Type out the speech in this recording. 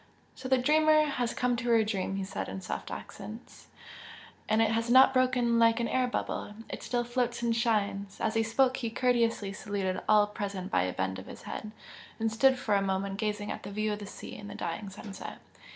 "So the dreamer has come to her dream!" he said, in soft accents "And it has not broken like an air bubble! it still floats and shines!" As he spoke he courteously saluted all present by a bend of his head, and stood for a moment gazing at the view of the sea and the dying sunset.